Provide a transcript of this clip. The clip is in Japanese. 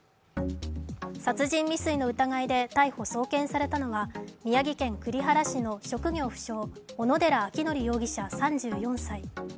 殺人未遂の疑いで逮捕・送検されたのは宮城県栗原市の職業不詳・小野寺章仁容疑者３４歳。